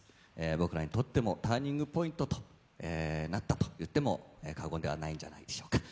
僕らにとってもターニングポイントとなったと言っても過言ではないんじゃないでしょうか。